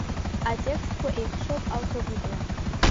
Атекстқәа еихшоуп алфавитла.